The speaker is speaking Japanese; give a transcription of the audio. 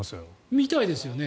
見たいですよね。